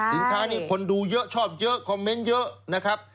สินค้านี่คนดูเยอะชอบเยอะคอมเมนต์เยอะนะครับ